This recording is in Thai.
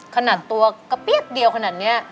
ขนาดตัวกระเปี๊ยกเดียวขนาดนี้